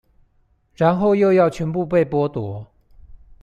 然後又要全部被剝奪